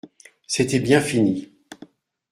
C'était bien fini.